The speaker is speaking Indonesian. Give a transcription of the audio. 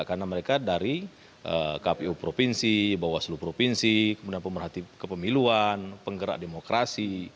karena mereka dari kpu provinsi bawaslu provinsi kemudian pemerhati kepemiluan penggerak demokrasi